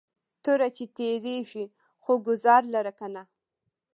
توره چې تیرېږي خو گزار لره کنه